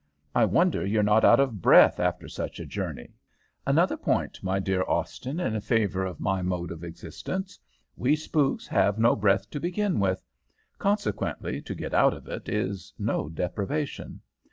I wonder you're not out of breath after such a journey.' "'Another point, my dear Austin, in favor of my mode of existence. We spooks have no breath to begin with. Consequently, to get out of it is no deprivation.